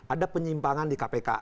ada penyimpangan di kpk